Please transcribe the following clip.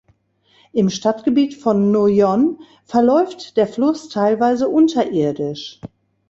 Im Stadtgebiet von Noyon verläuft der Fluss teilweise unterirdisch.